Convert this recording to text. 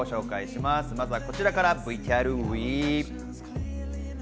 まずはこちらからＶＴＲＷＥ！